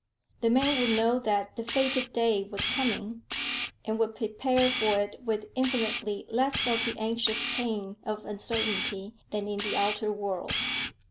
The man would know that the fated day was coming, and would prepare for it with infinitely less of the anxious pain of uncertainty than in the outer world.